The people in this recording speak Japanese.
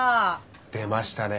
出ましたね